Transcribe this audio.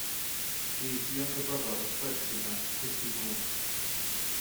He is the younger brother of folk singer Christy Moore.